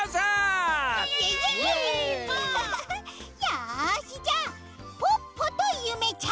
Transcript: よしじゃあポッポとゆめちゃんチーム。